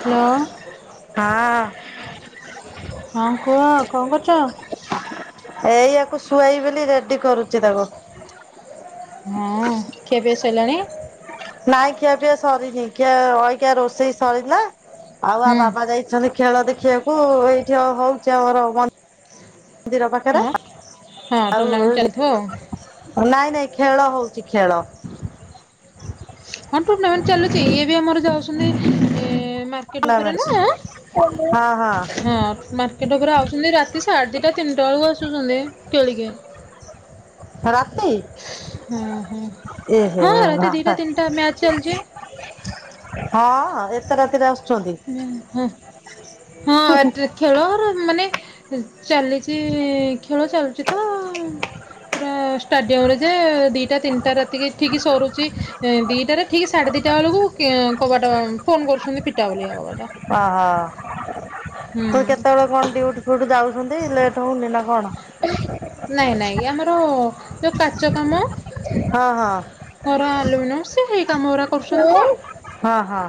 Hello ହଁ କୁହ କଣ କରୁଛ? ଏଇଆକୁ ଶୁଆଇ ବୋଲି ରେଡି କରୁଛି ତାକୁ। ହଁ କେବେ ସରିଲାଣି? ନାଇଁ ଖିଆ ପିଆ ସରିନି ଖିଆ ଅକିଆ ରୋଷେଇ ସରିିଲା ଆଉ ଆ ହୁଁ ବାବା ଯାଇ ଅଛନ୍ତି ଖେଳ ଦେଖିବାକୁ ଏଇଠି ହଉ- ହଉଛି ଆମର ମନ୍ଦି [inaudible] ର ହଁ ପାଖରେ। ହଁ ଆଉ ଟୁର୍ନାମେଣ୍ଟ ଚାଲିଥିବଆଉ। ନାଇଁ ନାଇଁ ଖେଳ ହଉଛି ଖେଳ। ହଁ ଟୁର୍ଣ୍ଣାମେଣ୍ଟ ଚାଲୁଛି ଇଏ ବି ଆମର ଯାଉଛନ୍ତି ଏ ମାର୍କେଟ ଉପରେ ନା ହଁ ହଁ ହଁ ମାର୍କେ କେଟ ଉପରେ ଆଉଛନ୍ତି ରାତି ସାଢ଼େ ଦିଟା ତିନିଟା ବେଲକୁ ଆସୁଛନ୍ତି କେଳିକେ ରାତି! ଓ ହୋ ଏହେ ହଁ ବାବା। ରାତି ଦିଟା ତିନିଟା ମ୍ୟାଚ ଚାଲିଛି। ହଁ! ଏତେ ରାତିରେ ଆସୁଛନ୍ତି। ହଁ ହଁ ଏ ଖେଳର ମାନେ ଚାଲିଛି ଖେଳ ଚାଲୁଛି ତ ପୁରା ଷ୍ଟାଡିୟମରେ ଯେ ଦିଇଟା ତିନିଟା ରାତିକି ଠିକ୍ ସରୁଛି ଦିଇଟାରେ ଠିକ ସାଢ଼େ ଦିଇଟା ବେଳକୁ କବାଟ ଫୋନ କରୁଛନ୍ତି ଫିଟା ବୋଲିକା କବାଟ। ଓ ହ। ପୁଣି ହୁଁ କେତେବେଳେ କଣ ଡ୍ୟୁଟି ଫୁଟି ଯାଉଛନ୍ତି ଲେଟ ହଉନି ନା କଣ? ନାଇଁ ନାଇଁ ଆମର ଯୋଉ କାଚ କାମ ହଁ ହଁ ଘର ଆଲୁମିନିୟମ ସ ହେଇ କାମ ଗୁଡା କରୁଛନ୍ତି ତ। ହଁ ହଁ।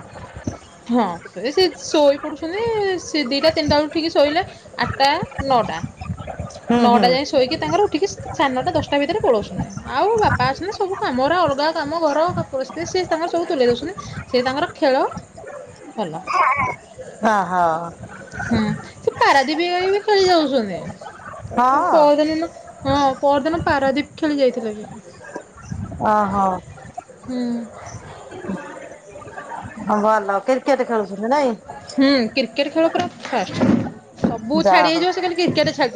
ହଁ ସେ ସେ ଶୋଇ ପଡୁଛନ୍ତି ସେ ଦିଟା ତିନିଟା ବେଳକୁ ଠିକ୍ ଶୋଇଲେ ଆଠଟା ନଅଟା ହୁଁ ହୁଁ ନଅଟା ଯାଇଏ ଶୋଇକି ତାଙ୍କର ଉଠିକି ସାଢେ ନଟା ଦଶଟା ଭିତରେ ପଳଉଛନ୍ତି। ଆଉ ବାପା ଅଛନ୍ତି ସବୁ କାମରେ ଅଲଗା କାମ ଘରଥିତ ତାଙ୍କର ସବୁ ତୁଲେଇ ଦଉଛନ୍ତି। ସେ ତାଙ୍କର ଖେଳ ଭଲ ଓହୋ। ହୁଁ। ସେ ପାରାଦୀପ ବି ଖେଳି ଯାଉଛନ୍ତି ହଁ ପଦିନ ହଁ ପରଦିନ ପାରାଦୀପ ଖେଳି ଯାଇଥିଲେ ବି। ଓହଁ। ହୁଁ। ଭଲ କ୍ରିକେଟ ଖେଳୁଛନ୍ତି ନାଇ? ହୁଁ କ୍ରିକେଟ ଖେଳ ପୁରା ଫାଷ୍ଟ ସବୁ ଯା ଛାଡ଼ି ହଉ। ହେଇଯିବ ସେ ଖାଲି କ୍ରିକେଟ ଛାଡ଼ି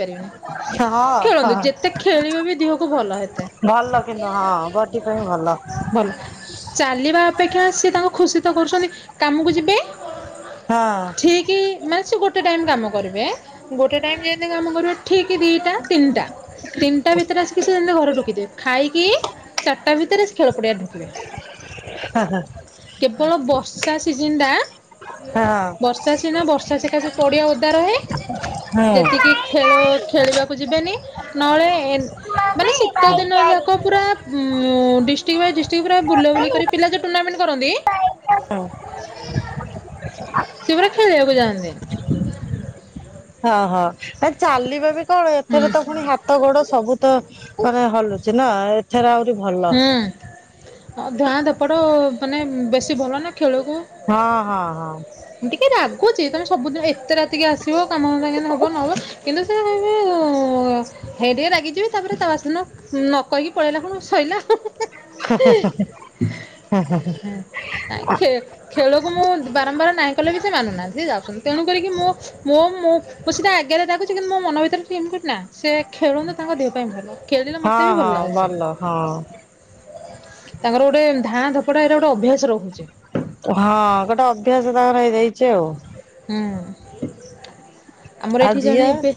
ହଁ ପାରିବେନି। ଖେଳନ୍ତୁ ହଁ ଯେତେ ଖେଳିବେ ବି ଦେହକୁ ଭଲ ହେତେ। ଭଲ କିନ୍ତୁ ହଁ ବଡି ପାଇଁ ଭଲ। ଭଲ ଚାଲିବା ଅପେକ୍ଷା ସିଏ ତାଙ୍କୁ ଖୁସି ତ କରୁଛନ୍ତି କାମକୁ ଯିବେ ହଁ। ଠିକ ମାନେ ସେ ଗୋଟେ ଗୋଟେ ଟାଇମ୍ କାମ କରିବେ ଗୋଟେ ଟାଇମ ଯେମତି କାମ କରିବେ ଠିକ ଦିଟା ତିନିଟା। ତିନିଟା ଭିତରେ ଆସିକି ସେ ଯେମିତି ଘରେ ରକିଥିବେ ଖାଇକି ଚାରିଟା ଭିତରେ ସେ ଖେଳ ପଡିଆରେ ଢୁକିବେ। ହାଁ ହାଁ। କେବଳ ବର୍ଷା ସିଜିନ ଟା ହଁ। ବର୍ଷା ସିନା ବର୍ଷା ସେଖାସେ ପଡ଼ିଆ ଓଦା ରହେ ଯେତିକି ଖେଳ ଖେଳିବାକୁ ଯିବେନି ନହେଲେ ମାନେ ଶୀତ ଦିନ ଯାକ ପୁରା ଡିଷ୍ଟିକ୍ ୱାଇଜ ଡିଷ୍ଟ୍ରିକ୍ଟ ପୁରା ବୁଲାବୁଲି କରି ପିଲା ଯୋଉ ଟୁର୍ଣ୍ଣାମେଣ୍ଟ କରନ୍ତି। ହଁ। ସେ ପୁରା ଖେଳିବାକୁ ଯାନ୍ତି। ହଁ ହଁ ଆ ଚାଲିବେ ବି କଣ ହୁଁ ଏଥିରେ ତ ପୁଣି ହାତ ଗୋଡ ସବୁ ତ ହଲୁଛି ନା ଏଥରେ ଆହୁରି ଭଲ ହୁଁ ଧାଆଁ ଧପଡ଼ ମାନେ ବେଶୀ ଭଲ ନା ଖେଳକୁ ହଁ ହଁ ହଁ। ଟିକେ ରାଗୁଛି ତମେ ସବୁଦିନ ଏତେ ରାତିକି ଆସିବ କାମ ସାଙ୍ଗ ହବ ନ ହବ। କିନ୍ତୁ ସେ ବି ହେରି ରାଗିଯିବେ ତାପରେ ତା ବାସିଦିନ ନ କହିକି ପଳେଇଲା ପୁଣି ସଇଲା ହୁ ହୁ ହୁ ନାଇଁ ଖେ ଖେଳକୁ ମୁଁ ବାରମ୍ବାର ନାହିଁ କଲେ ବି ସେ ମାନୁନାହାନ୍ତି ସେ ଯାଉଛନ୍ତି ତେଣୁ କରିକି ମୁଁ ମୁଁ ମୁଁ ମୁ ସେଟା ଆଗରେ ଡାଗୁଛି କିନ୍ତୁ ମୋ ମନ ଭିତରେ କେମ ନା ସେ ଖେଳନ୍ତୁ ତାଙ୍କ ଦେହ ପାଇଁ ଭଲ। ଖେଳିଲେ ହଁ ମତେ ବି ଭଲ ହଁ ଲାଗୁଛି। ହଁ। ତାଙ୍କର ଗୋଟେ ଧାଁ ଧପଡା ଏଟା ଗୋଟେ ଅଭ୍ୟାସ ରହୁଛି। ହଁ ଗୋଟେ ଅଭ୍ୟାସ ତାଙ୍କର ହେଇଯାଇଛି ଆଉ ହୁଁ ଆମର ଆଉ ଏଇଠି ଝିଅ ଜଣେ ଏବେ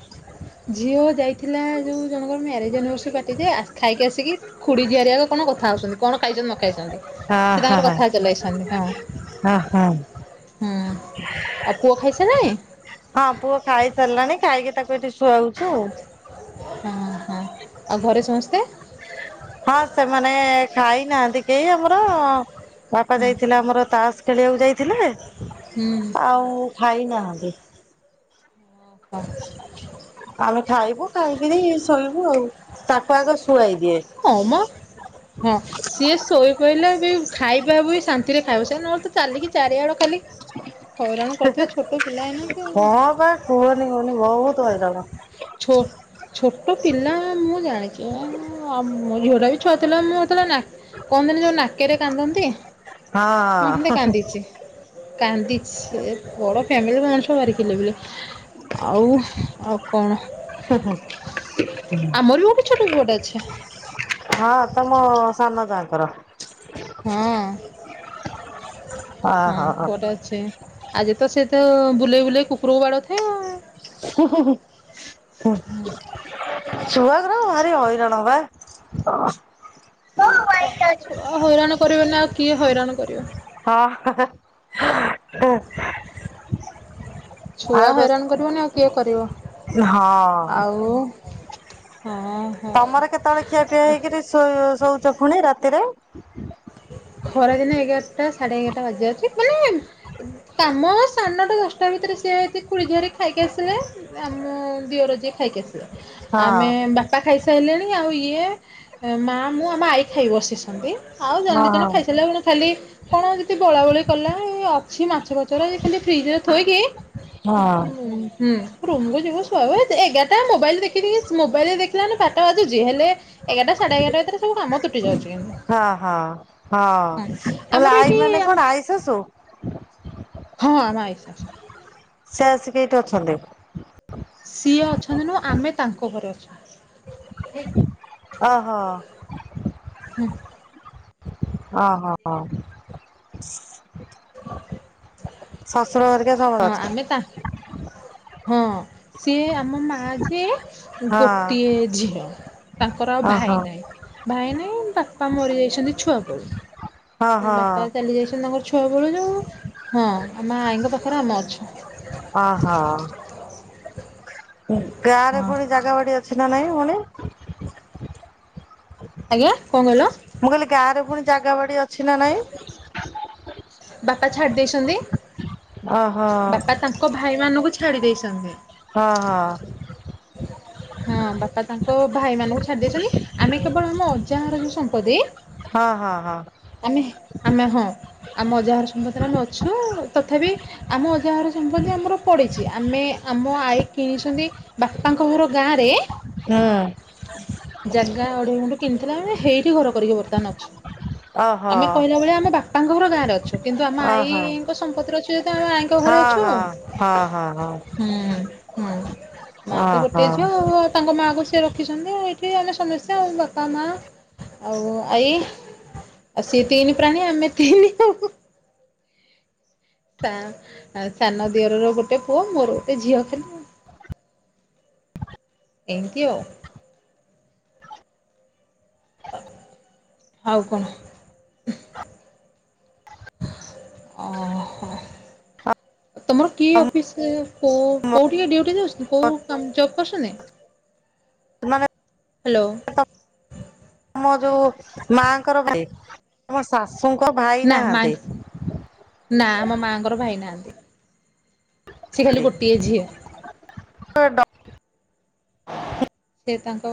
ଝିଅ ଯାଇଥିଲା ଯୋଉ ଜଣଙ୍କର ମ୍ୟାରେଜ୍ ଆନିଭର୍ସିରି ପାଟିରେ ଖାଇକି ଆସିକି ଖୁଡି ଝିଆରୀ କଣ ଆଗ କଥା ହଉଛନ୍ତି କଣ ଖାଇଛ ନ ଖାଇଛନ୍ତି ହ ସେ ହ ତାଙ୍କର ହ। କଥା ଚଲାଇଛନ୍ତି ହଁ ହୁଁ ହଁ ଅ ପୁଅ ଖାଇସାଇଲାଣି? ହଁ ପୁଅ ଖାଇ ସାରିଲାଣି ଖାଇକି ତାକୁ ଏଠି ଶୁଆଉଛୁ ଆଉ ହଁ ହଁ ଆଉ ଘରେ ସମସ୍ତେ? ହଁ ସେମାନେ ଖାଇନାହାନ୍ତି କେହି ଆମର ବାପା ହୁଁ ଯାଇଥିଲା ଆମର ତାସ ଖେଳିବାକୁ ଯାଇଥିଲେ ହୁଁ ଆଉ ଖାଇ ନାହାନ୍ତି। [inaudible] ଆମେ ଖାଇବୁ ଖାଇକିରି ଶୋଇବୁ ଆଉ ତାକୁ ଆଗ ଶୁଆଇ ଦିଏ। ହୁଁ। ସିଏ ଶୋଇ ପଇଲେ ବି ଖାଇବା ବି ଶାନ୍ତିରେ ଖାଇବ ସେ ନହେଲେ ତ ଚାଲିକି ଚାରିଆଡେ ଖାଲି ହଇରାଣ କରୁଥିବେ ଛୋଟ ପିଲା ଏଇନା କି ଆଉ ହଁ ବା କୁହନି କୁହନି ବହୁତ ହଇରାଣ ଛୋ ଛୋଟ ପିଲା ମୁଁ ଜାଣିଛି ଆଉ ମୋ ଝିଅଟା ବି ଛୁଆ ଥିଲା ମୁଁ ସେତେବେଳେ କହଥିଲି ଯୋଉ ନାକରେ କାନ୍ଦନ୍ତି। ହଁ ମୁଁ ହେନ୍ତେ କାନ୍ଦିଛି। କାନ୍ଦିଛି ବଡ଼ ଫ୍ୟାମିଲି ମଣିଷ ଭାରି କିଲିବିଲି ଆଉ ଆଉ କଣ ଆମର ବି ଗୋଟେ ଛୋଟ ପୁଅଟ ଅଛେ। ହଁ ତମ ସାନ ଯାଙ୍କର ହଁ ହଁ ଓହୋ ପୁଅଟେ ଅଛି। ଆଜି ତ ସେ ତ ବୁଲେଇ ବୁଲେଇ କୁକୁରକୁ ବାଡଉଥାଏ ଆଉ [inaudible] ଛୁଆ ଗୁରା ଭାରି ହଇରାଣ ବା ଛୁଆ ହଇରାଣ କରିବେ ନି ଆଉ କିଏ ହଇରାଣ କରିବ। ହଁ ହ ହ [unintelligible] ଛୁଆ ହଇରାଣ କରିବନି ଆଉ କିଏ କରିବ ହଁ ଆଉ ହଁ ହଉ। ତମର କେତେବେଳେ ଖିଆ ପିଆ ହେଇକିରି ଶୋଉଛ ପୁଣି ରାତିରେ ଖରାଦିନେ ଏଗାରଟା ସାଢ଼େ ଏଗାରଟା ବାଜି ଜାଉଛି ମାନେ କାମ ସାନଟା ଦଶଟା ଭିତରେ ସିଏ କୁଳିଝଆରି ଖାଇକି ଆସିଲେ ଆମ ଦିଅର ଯିଏ ଖାଇକି ଆସିବେ ହଁ ଆମେ ବାସ ବାପା ଖାଇସାରିଲେଣି ଆଉ ଇଏ ମା ମୁଁ ଆମ ଆଈ ଖାଇ ବସିଛନ୍ତି। ଆଉ ହଁ ଜଣେଦିଜଣ ଜଣ ଖାଇସାରିଲାଣ ଖାଲି କଣ ଯଦି ଗୋଳାଗୋଳି କଲା ଏଇ ଅଛି ମାଛଫାଛରା ଖାଲି ଫ୍ରିଜ୍ ରେ ଥୋଇକି ହଁ ହୁ ହୁଁ ରୁମୁକୁ ଯିବୁୁ ଶୋଇବୁ ଏଗାରଟା ମୋବାଇଲ ଦେଖି ଦେଖି ମୋବାଇଲରେ ଦେଖିଲାମାନେ ବାରଟା ବାଜୁଛି ହେଲେ ଏଗାରଟା ସାଢ଼େ ଏଗାରଟା, ଭିତରେ ସବୁ କାମ ତୁଟି ଯାଉଛି କିନ୍ତୁ। ହଁ ହଁ, ହଁ, ହଁ ହେଲେ ଆମର ଆଈ ମାନେ ଏଠି କଣ ଆଇ ଶଶୁ! ହଁ, ଆମ ଆଇସାଶୁ। ସେ ଆସିକି ଏଇଠି ଅଛନ୍ତି। ସିଏ ଅଛନ୍ତି ନୁହଁ ଆମେ ତାଙ୍କ ଘରେ ଅଛୁ। ଅ ହ ହୁଁ ଅ ହ, ହ ସସୁର ଘରିକା ସବୁ ହଁ, ଆମେ ତା- ହଁ, ସିଏ ଆମ ମା ଯି ସିଏ ହଁ ଗୋଟିଏ ଝିଅ, ତାଙ୍କର ଆଉ ଭାଇ ଓହୋ। ନାହିଁ। ଭାଇ ନାହିଁ, ବାପା ମରି ଯାଇଛନ୍ତି ଛୁଆ ବେଳୁ ହଁ ହଁ ବାପା ଚାଲି ଯାଇଛ ପିଲାଙ୍କ ର ଛୁଆ ବେଳୁ ଯୋଉ ହଁ ଆମ ଆଈଙ୍କ ପାଖରେ ଆମେ ଅଛୁ। ଓ, ହଁ ଗାଁରେ ହଁ ପୁଣି ଜାଗା ବାଡି଼ ଅଛି ନା ନାଇଁ ପୁଣି। ଆଜ୍ଞା, କଣ କହିଲ? ମୁଁ କହିଲି ଗାଁରେ ପୁଣି ଜାଗା ବାଡି଼ ଅଛି ନା ନାଇଁ। ବାପା ଛାଡି଼ ଦେଇଛନ୍ତି ଅ, ହ ବାପା ତାଙ୍କ ଭାଇ ମାନଙ୍କୁ ଛାଡି଼ ଦେଇଛନ୍ତି। ହ, ହ ହଁ, ବାପା ତାଙ୍କ ଭାଇ ମାନଙ୍କୁ ଛାଡି଼ ଦେଇଛନ୍ତି। ଆମେ କେବଳ ଆମ ମୋ ଅଜାଘର ଯୋଉ ସମ୍ପତ୍ତି ହଁ, ହଁ, ହଁ। ଆମେ, ଆମେ ହଁ ଆମ ଅଜାଘର ସମ୍ପଦି ରେ ଆମେ ଅଛୁ, ତଥାବି ଆମ ଅଜାଘର ସମ୍ପତ୍ତି ଆମର ପଡ଼ିଛି ଆମେ ଆମ ଆଈ କିଣିଛନ୍ତି ବାପାଙ୍କ ଘର ଗାଁ ରେ ହୁଁ ଜାଗା ଆଢ଼େଇ ଗୁଣ୍ଠୁ କିଣିଥିଲେ ଆମେ ହେଇଠି ଘର କରିକି ବର୍ତ୍ତମାନ ଅଛୁ। ଓହୋ ଆମେ କହିଲା ବେଳେ ଆମ ବାପାଙ୍କ ଘର ଗାଁରେ ଅଛୁ। କିନ୍ତୁ ଆମ ଓହୋ। ଆଈଙ୍କ ସମ୍ପତ୍ତିରେ ଅଛି ଯେ ହେତୁ ଆମେ ଆଈଙ୍କ ଘରେ ହଁ ଅଛୁ। ହଁ ହଁ ହଁ ହଁ ହୁଁ, ହୁଁ ମା ତ ଗୋଟେ ଝିଅ ଓହୋ ଆଉ ଉ ତାଙ୍କ ମାଆକୁ ସିଏ ରଖିଛନ୍ତି ଏଇଠି ଆମେ ସମସ୍ତେ ଆଉ ବାପା, ମା ଆଉ ଆଈ। ସିଏ ତିଇନି ପ୍ରାଣୀ ଆମେ ତିଇନି ଆଉ। ତା ସାନ ଦିଅରର ଗୋଟେ ପୁଅ ମୋର ଗୋଟେ ଝିଅ ଖାଲି। ଏମ୍ ତି ଆଉ। ଆଉ କଣ [unintelligible] ତମର କି ଅଫିସ୍, ଇଁ କୋ ମୋ -କୋଉ ଠିକି ଡ୍ୟୁଟି ଦେଉଛନ୍ତି କୋଉ କା- ଜବ୍ କରୁଛନ୍ତି? ଏମାନେ ହ୍ୟାଲୋ। ତ ଆମ ଯୋଉ ମାଙ୍କର ଭାଇ। ଆମ ଶାଶୁଙ୍କ ଭାଇ ନା ମା ନାହାନ୍ତି। ନା ଆମ ମାଙ୍କର ଭାଇ ନାହାନ୍ତି, ସେ ଖାଲି ଗୋଟିଏ ଝିଅ। ହେ ଡ ସେ ତାଙ୍କ,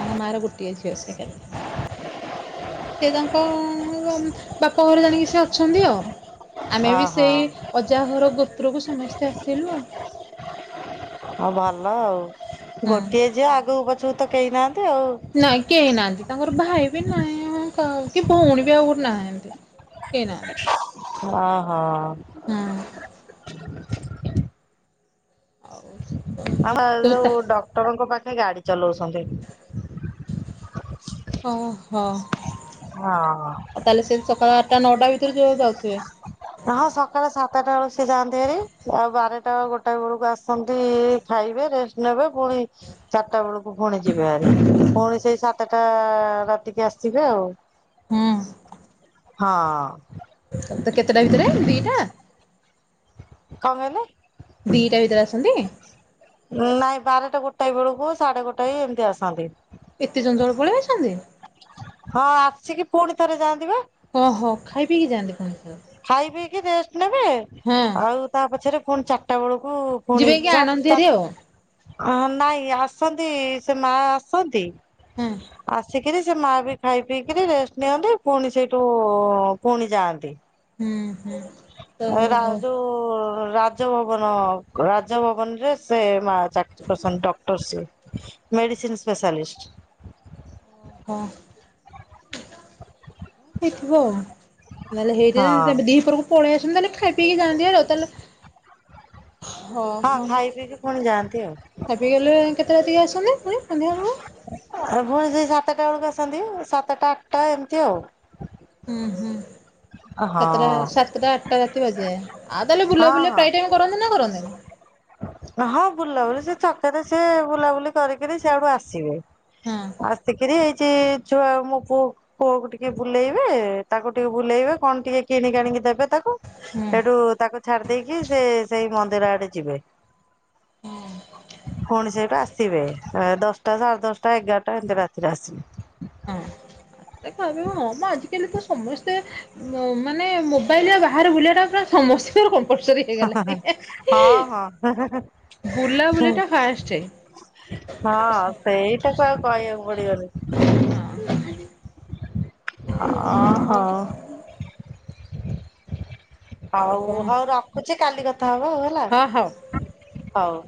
ତାଙ୍କ ମାର ଗୋଟିଏ ଝିଅ ସେ। ସେ ତାଙ୍କ, ବାପ ଘରେ ଜାଣିକି ସେ ଅଛନ୍ତି ଆଉ। ଆମେ ବି ସେଇ ଆଉ ଅଜାହର ଗୋତ୍ରକୁ ସମସ୍ତେ ଆସିଲୁ ଆଉ। ହଁ ଭଲ ଆଉ ହୁଁ। ଗୋଟିଏ ଝିଅ ଆଗକୁ ପଛକୁ ତ କେହି ନାହାନ୍ତି ଆଉ। ନାଇଁ କେହି ନାହାନ୍ତି ତାଙ୍କର ଭାଇ ବି ନାହିଁ କା କି ଭଉଣୀ ବି ଆଉ କୋଉଠି ନାହାନ୍ତି। କେଇ ନାହାନ୍ତି। ହଁ ହଁ। ହୁଁ। ଆଉ ଆମ ଯୋଉ ଡକ୍ଟରଙ୍କ ପାଖେ ଗାଡ଼ି ଚଲଉଛନ୍ତି। ଓ ହୋ। ହଁ ଅ। ତାହେଲେ ସେ ସକାଳ ଆଠଟା ନଅଟା ଭିତରେ ଯିଏ ଯାଉଥିବେ। ହଁ ସକାଳେ ସାତଟା ବେଳୁ ସିଏ ଯାଆନ୍ତି ହାରି ଆଉ ବାରଟା ଗୋଟା ବେଳକୁ ଆସନ୍ତି। ଖାଇବେ ରେଷ୍ଟେ ନେବେ ପୁଣି ଚାରିଟା ବେଳକୁ ପୁଣି ଯିବେ ହାରି ପୁଣି ସେଇ ସାତଟା ରାତିକି ଆସିବେ ଆଉ। ହୁଁ। ହଁ। ତ କେତେଟା ଭିତରେ ଦିଟା କଣ କହିଲେ। ଦିଟା ଭିତରେ ଆସନ୍ତି। ନାଇଁ ବାରଟା ଗୋଟାଏ ବେଳକୁ ସାଢେ ଗୋଟାଏ ଏମତି ଆସନ୍ତି। ଏତେ ଚଞ୍ଚଳ ପଳେଇ ଆସନ୍ତି। ହଁ ଆସିକି ପୁଣି ଥରେ ଯାଆନ୍ତିିବା। ଓହୋ ଖାଇ ପିକି ଯାଆନ୍ତି ପୁଣି ଥରେ। ଖାଇ ପିଇକି ରେଷ୍ଟେ ନେବେ ଆଉ ତା ପଛରେ ପୁଣି ଚାରିଟା ବେଳକୁ ପୁଣି ଯିବେ କି ଚକ୍ ଆଣନ୍ତି ହେରି ଚକ୍ ଆଉ ନାଇଁ ଆସନ୍ତି ସେ ମା ଆସନ୍ତି ହଁ ଆସ ଆସିକରି ସେ ମା ବି ଖାଇ ପିଇକିରି ରେଷ୍ଟେ ନିଅନ୍ତି ପୁଣି ସେଇଠୁ ପୁଣି ଯାଆନ୍ତି। ହୁଁ ହୁଁ। ତ ରା ଓହୋ ଯୋଉ ରାଜଭବନ ରାଜଭବନ ରେ ସେ ମା ସାର୍ ପ୍ରଶାନ୍ତ ଡକ୍ଟର ସେ ମେଡିସିନ୍ ସ୍ପେଶାଲିଷ୍ଟି। ହୁଁ। ଥିବ ଆଉ ନହେଲେ ହଁ ହେଇଥିବେ ସେ ଦିପରକୁ ପଳେଇ ଆସନ୍ତେ ତାହେଲେ ଖାଇ ପିଇକି ଯାଆନ୍ତି ହାରି ତାହେଲେ ହଁ ହ ଖାଇ ପିଇକି ପୁଣି ଯାଆନ୍ତି ଆଉ। ପିଇକି ଗଲେ କେତେ ରାତିକି ଆସନ୍ତି। ପୁଣି ସନ୍ଧ୍ୟାବେଳକୁ? ଆ ପୁଣି ସେଇ ସାତଟା ବେଳକୁ ଆସନ୍ତି ସାତଟା ଆଠଟା ଏମିତି ଆଉ। ହୁଁ ହୁଁ ହଁ ସାତଟା ହଁ ସାତଟା ଆଠଟା ରାତି ବାଜି ଯାଏ ଆଉ ତାହେଲେ ବୁଲା ବୁଲି ପ୍ରାୟ ଟାଇମ୍ କରନ୍ତି ନା କରନ୍ତିିନି। ହଁ ବୁଲାବୁଲି ସେ ଛକରେ ସେ ବୁଲାବୁଲି କରିକିରି ସିଆଡ଼ୁ ଆସିବ। ହଁ ଆସିକିରି ଏଇଚି ଛୁଆ ମୋ ପୁଅକୁ ପୁଅକୁ ଟିକେ ବୁଲେଇବେ ତାକୁ ଟିକେ ବୁଲେଇବେ କଣ ଟିକେ କିଣିକି ଆଣିକି ଦେବେ ତା କୁ ହୁଁ ସେଠୁ ତାକୁ ଛାଡ଼ି ଦେଇକି ସେ ସେଇ ମନ୍ଦିର ଆଡ଼େ ଯିବେ। ହଁ ପୁଣି ସେଇଟୁ ଆସିବେ ଦଶଟା ସାଢେ ଦଶଟା ଏଗାରଟା ଏମତି ରାତିରେ ଆସିବେ। ହଁ ଖାଇ ପିଇବୁ ହଁ ପା ଆଜି ଆଜି କାଲି ତ ସମସ୍ତେ ମୋ ମାନେ ମୋବାଇଲ୍ ଆଉ ବାହାରେ ବୁଲିବା ଟା ପୁରା ସମସ୍ତିଙ୍କର କମ୍ପଲସରୀ। ହେଇଗଲା ହେ ହେ ହଁ ହଁ ବୁଲାବୁଲି ଟା ଫାଷ୍ଟେ। ହଁ ସେଇଟାକୁ ଆଉ କହିବାକୁ ପଡ଼ିବନି। ହଁ ଅ ହଉ। ଆଉ କଣ ହଉ ହଉ ରଖୁଚି କାଲି କଥା ହବା ଆଉ ହଁ ହଉ। ହେଲା ହଉ।